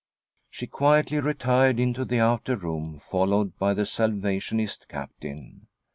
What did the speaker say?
She. quietly retired into the outer room, followed by the Salvationist Captain.